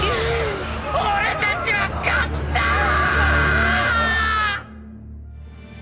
俺たちは勝ったーーー！！